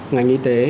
ngành y tế